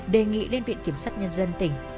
đề nghị lên viện kiểm sát nhân dân tỉnh